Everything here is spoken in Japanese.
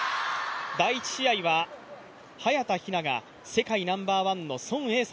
第１試合は早田ひなが世界ナンバーワンの孫エイ莎